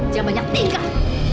jangan banyak tinggal